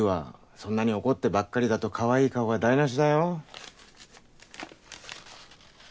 そんなに怒ってばっかりだとかわいい顔が台なしだよ。